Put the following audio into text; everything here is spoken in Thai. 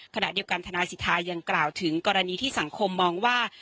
ขณะเดียวกันทนายสิทธายังกล่าวถึงกรณีที่สังคมมองว่า